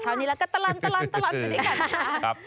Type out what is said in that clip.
เช้านี้แล้วก็ตลันไปดีกัน